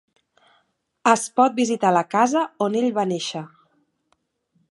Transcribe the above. Es pot visitar la casa on ell va néixer.